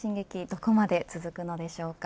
どこまで続くのでしょうか。